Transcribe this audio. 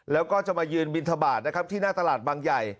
แล้วก็จะมายืนบินทบาทนะครับที่หน้าตลาดบางใหญ่